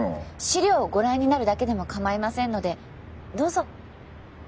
資料をご覧になるだけでもかまいませんのでどうぞ。